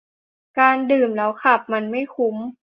การดื่มแล้วขับมันไม่คุ้ม